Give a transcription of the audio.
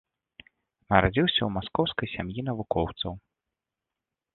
Нарадзіўся ў маскоўскай сям'і навукоўцаў.